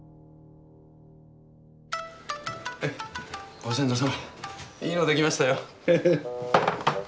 ご先祖様いいのできましたよ。